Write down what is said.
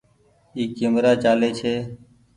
اي ڪيمرا چآلي ڇي